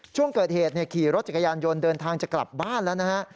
ช่วงเกิดเหตุขี่รถจักรยานยนต์เดินทางจะกลับบ้านแล้วนะฮะ